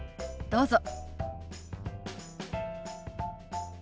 どうぞ。